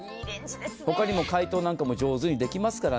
他にも解凍も上手にできますから。